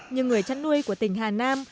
nhưng người chăn nuôi của tỉnh hà nam